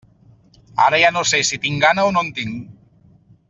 Ara ja no sé si tinc gana o no en tinc.